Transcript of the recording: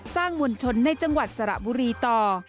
มวลชนในจังหวัดสระบุรีต่อ